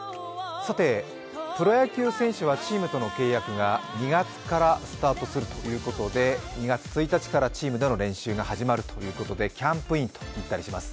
プロ野球選手はチームとの契約が２月からスタートするということで２月１日からチームでの練習が始まるということで、キャンプインとなります。